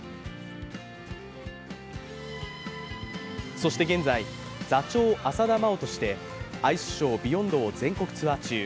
そして現在、座長・浅田真央としてアイスショー「ＢＥＹＯＮＤ」を全国ツアー中。